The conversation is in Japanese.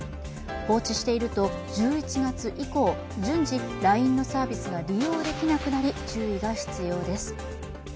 放置していると、１１月以降、順次ＬＩＮＥのサービスが利用できなくなり、注意が必要です。